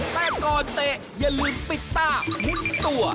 แต่ก่อนเตะอย่าลืมปิดต้ามุนตัว